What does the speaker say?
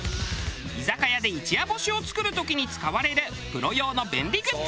居酒屋で一夜干しを作る時に使われるプロ用の便利グッズ。